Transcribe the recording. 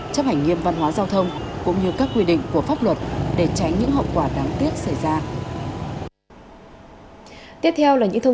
chấp hành nghiêm văn hóa giao thông cũng như các quy định của pháp luật để tránh những hậu quả đáng tiếc xảy ra